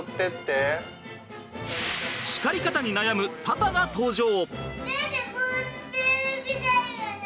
叱り方に悩むパパが登場。